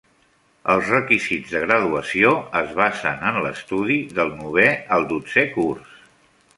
Els requisits de graduació es basen en l'estudi del novè al dotzè curs.